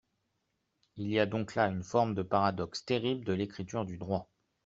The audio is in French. Il y a donc là une forme de paradoxe terrible de l’écriture du droit.